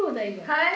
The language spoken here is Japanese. はい。